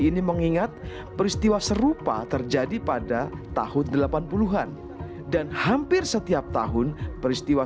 ini mengingat peristiwa serupa terjadi pada tahun delapan puluh an dan hampir setiap tahun peristiwa